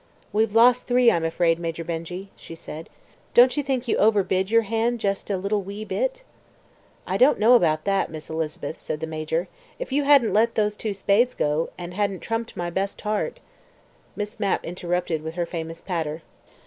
"We've lost three, I'm afraid, Major Benjy," she said. "Don't you think you overbid your hand just a little wee bit?" "I don't know about that, Miss Elizabeth," said the Major. "If you hadn't let those two spades go, and hadn't trumped my best heart " Miss Mapp interrupted with her famous patter.